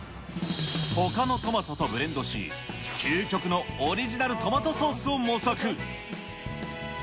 ほかのトマトとブレンドし、究極のオリジナルトマトソースを模索。